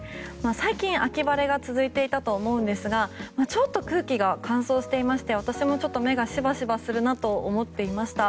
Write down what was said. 最近、秋晴れが続いていたと思うんですがちょっと空気が乾燥していまして私も目がシバシバするなと思っていました。